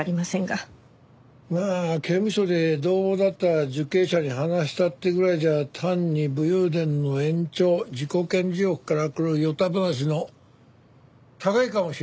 まあ刑務所で同房だった受刑者に話したってぐらいじゃ単に武勇伝の延長自己顕示欲からくる与太話の類いかもしれないからね。